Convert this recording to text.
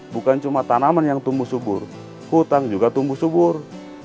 bukan cuma tanaman yang tumbuh subur hutang juga tumbuh subur